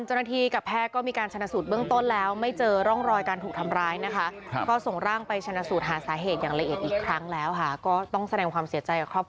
หมอบุ่มขึ้นมาเลย